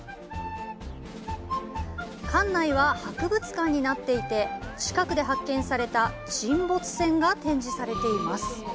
館内は博物館になっていて、近くで発見された沈没船が展示されています。